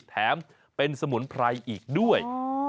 แถมเป็นสมุนไพรอีกด้วย